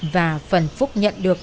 và phần phúc nhận được